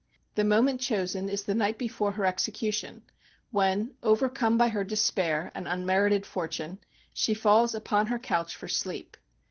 The moment chosen is the night before her execution, when, overcome by her despair and unmerited fortune, she falls upon her couch for sleep.